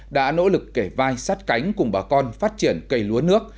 đã nỗ lực kể vai sát cánh cùng bà con phát triển cây lúa nước